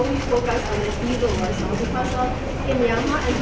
แล้วต้องก็ไม่เป็นแบบนั้นก็ยืนอยู่อย่าง